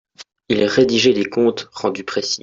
Il rédigeait des comptes rendus précis.